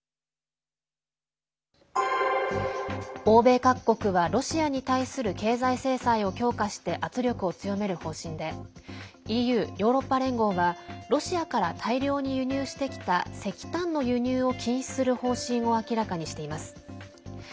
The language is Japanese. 欧米各国は、ロシアに対する経済制裁を強化して圧力を強める方針でＥＵ＝ヨーロッパ連合はロシアから大量に輸入してきた石炭の輸入を禁止する方針を明らかにしています。